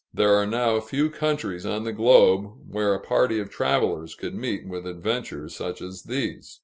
There are now few countries on the globe where a party of travelers could meet with adventures such as these.